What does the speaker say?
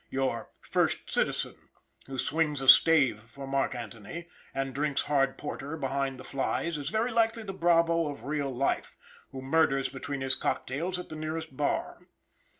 Your "First Citizen," who swings a stave for Marc Antony, and drinks hard porter behind the flies is very like the bravo of real life, who murders between his cocktails at the nearest bar.